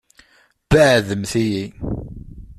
Beɛɛdemt-iyi!